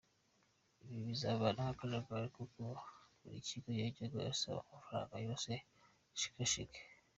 Ibi bizavanaho akajagari, kuko buri kigo cyajyaga gisaba amafaranga yose cyishakiye!.